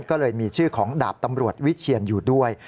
ก็เลยมีชื่อของดาบตำรวจวิเชียนอยู่ด้วย